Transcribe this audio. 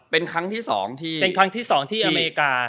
เป็นครั้งที่๒ที่อเมริกา